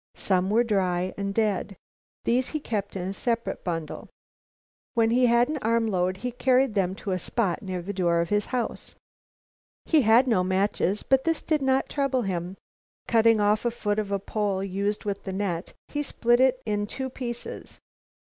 Some were dry and dead. These he kept in a separate bundle. When he had an armload, he carried them to a spot near the door of the house. He had no matches, but this did not trouble him. Cutting off a foot of a pole used with the net, he split it in two pieces.